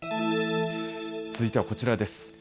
続いてはこちらです。